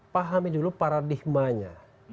pahami dulu paradigmanya